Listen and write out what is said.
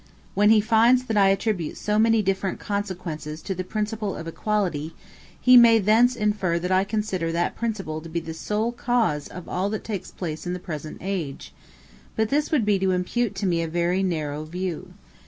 When he finds that I attribute so many different consequences to the principle of equality, he may thence infer that I consider that principle to be the sole cause of all that takes place in the present age: but this would be to impute to me a very narrow view.